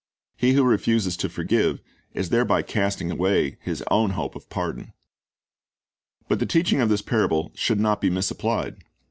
He who refuses to forgive, is thereby casting away his own hope of pardon. But the teaching of this parable should not be misapplied.